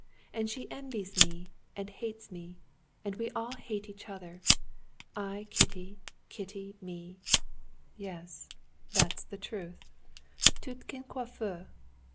And she envies me, and hates me. And we all hate each other. I Kitty, Kitty me. Yes, that's the truth. '_Tiutkin, coiffeur.